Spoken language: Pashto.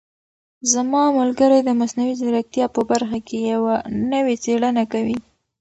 زما ملګری د مصنوعي ځیرکتیا په برخه کې یوه نوې څېړنه کوي.